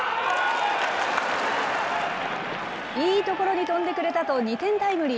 いい所に飛んでくれたと、２点タイムリー。